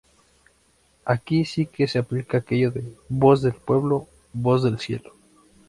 Aquí sí que se aplicaba aquello de "voz del pueblo, voz del cielo".